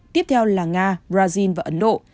tiếp theo là nga brazil và ấn độ